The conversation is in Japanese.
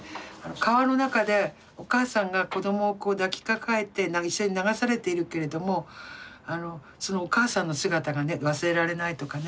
川の中でお母さんが子どもを抱きかかえて一緒に流されているけれどもそのお母さんの姿が忘れられないとかね